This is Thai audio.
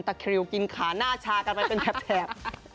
ตะเครียวกินขาหน้าชากันไปเป็นแท็บ